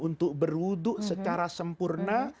untuk berwudhu secara sempurna